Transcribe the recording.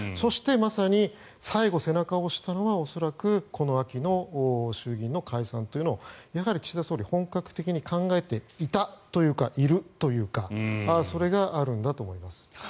そして、まさに最後、背中を押したのは恐らくこの秋の衆議院の解散というのを岸田総理は本格的に考えていたというか考えているというかそれがあるんだと思います。